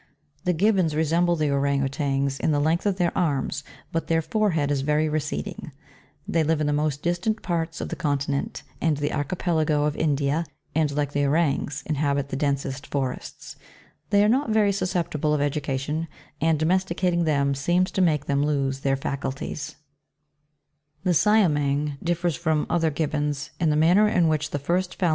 The GIBBONS resemble the Ourang Outangs in the length of their arms, but their forehead is very receding. They live in the most distant parts of the continent, and archipelago of India, and like the Ourangs inhabit the densest forests. They are not very susceptible of education, and domesticating them seems to make them lose their faculties 14. The Siamang differs from the other Gibbons in the man ner in which the first phalanges of the second and third toes are 10.